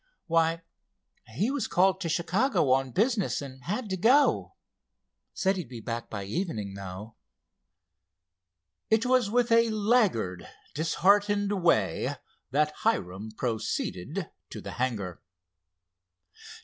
"Why, he was called to Chicago on business, and had to go. Said he'd be back by evening, though." It was with a laggard, disheartened way that Hiram proceeded to the hangar.